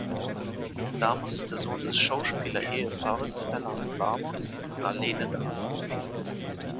Lamas ist der Sohn des Schauspielerehepaars Fernando Lamas und Arlene Dahl.